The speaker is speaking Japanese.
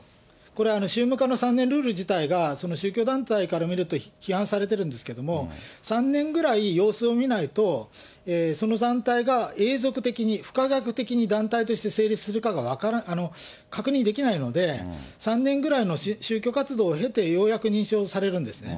これ、宗務課の３年ルール自体がその宗教団体から見ると批判されてるんですけれども、３年ぐらい様子を見ないと、その団体が、永続的に不可逆的に団体として成立するかが確認できないので、３年ぐらいの宗教活動を経て、ようやく認証されるんですね。